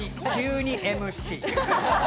急にＭＣ。